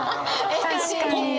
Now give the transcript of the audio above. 確かに。